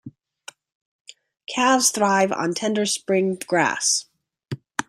Calves thrive on tender spring grass.